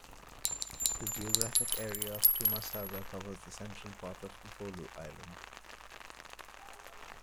The geographic area of Tuamasaga covers the central part of Upolu island.